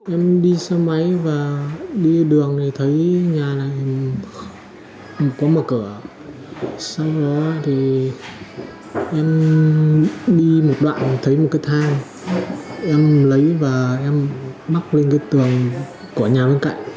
em đi một đoạn thấy một cái thang em lấy và em bắt lên cái tường của nhà bên cạnh